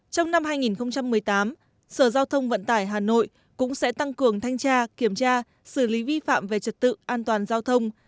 trong năm hai nghìn một mươi tám sở giao thông vận tải hà nội cũng sẽ tăng cường thanh tra kiểm tra xử lý vi phạm về trật tự an toàn giao thông